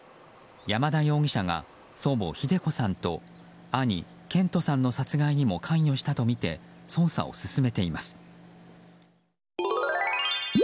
山田容疑者が祖母・秀子さんと兄・健人さんの殺害にも関与したとみて捜査を進めています。